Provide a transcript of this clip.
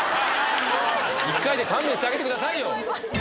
１回で勘弁してあげてくださいよ！